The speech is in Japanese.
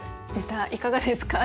歌いかがですか？